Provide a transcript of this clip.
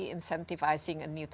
ini tapi supaya lebih kekelompok